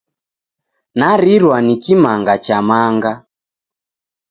Narirwa ni kimanga cha manga.